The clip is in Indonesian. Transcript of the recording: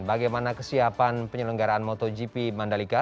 bagaimana kesiapan penyelenggaraan motogp mandalika